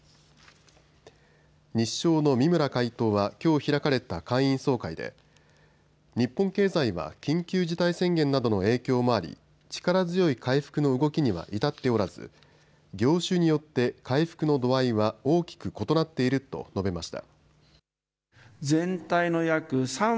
日商の三村会頭はきょう開かれた会員総会で日本経済は緊急事態宣言などの影響もあり力強い回復の動きには至っておらず業種によって回復の度合いは大きく異なっていると述べました。